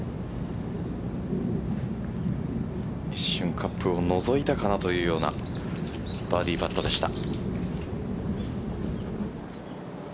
一瞬カップをのぞいたかなというようなバーディーパットでした。